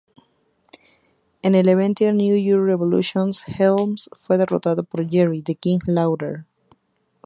En el evento New Year's Revolution, Helms fue derrotado por Jerry "The King" Lawler.